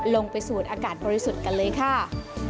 ไปสูดอากาศบริสุทธิ์กันเลยค่ะ